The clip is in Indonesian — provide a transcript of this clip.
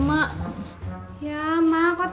soalnya dari nentengnya gak ada waktu